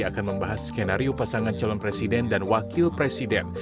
akan membahas skenario pasangan calon presiden dan wakil presiden